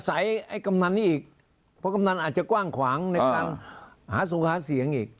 ไอ้กำนันนี้อีกเพราะกำนันอาจจะกว้างขวางในการหาทรงหาเสียงอีก